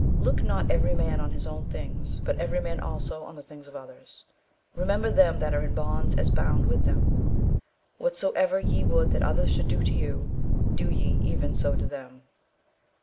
"Look not every man on his own things, but every man also on the things of others." "Remember them that are in bonds as bound with them." "Whatsoever ye would that others should do to you, do ye even so to them."